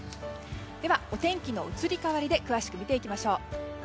ではお天気の移り変わりで詳しく見ていきましょう。